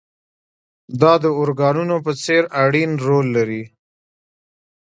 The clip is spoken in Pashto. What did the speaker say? دا د ارګانونو په څېر اړين رول لري.